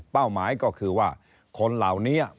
หมายก็คือว่าคนเหล่านี้